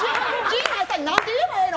何て言えばええの？